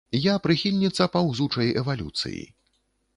Я прыхільніца паўзучай эвалюцыі.